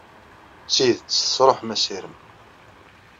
D tidet tesṛuḥem assirem.